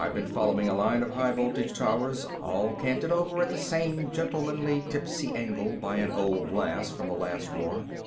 ] I'd been following a line of high voltage towers all canted over at the same gentlemanly tipsy angle by an old blast from the Last War.